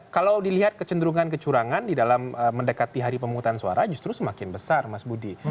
kalau dilihat kecenderungan kecurangan di dalam mendekati hari pemungutan suara justru semakin besar mas budi